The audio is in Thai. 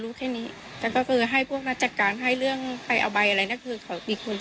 เมื่อวันที่เกิดถึงคือตัวตัวพี่ยังเป็นอย่างนี้ของไม่ไม่ได้ใส่บุคลุกอะไรอย่างนี้ได้หรือเปล่า